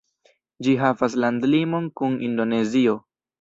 Ĝi havas landlimon kun Indonezio.